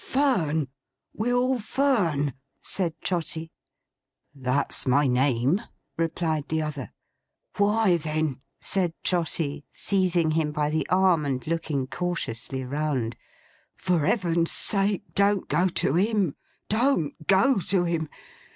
'Fern! Will Fern!' said Trotty. 'That's my name,' replied the other. 'Why then,' said Trotty, seizing him by the arm, and looking cautiously round, 'for Heaven's sake don't go to him! Don't go to him!